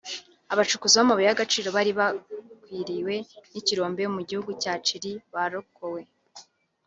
Abacukuzi b’amabuye y’agaciro bari bagwiriwe n’ikirombe mu gihugu cya Chili bararokowe